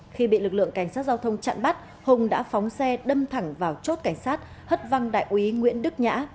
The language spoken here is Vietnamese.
khi bị lực lượng cảnh sát giao thông chặn bắt hùng đã phóng xe đâm thẳng vào chốt cảnh sát hất văng đại úy nguyễn đức nhã